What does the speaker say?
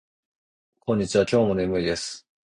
こんにちは。今日も眠いです。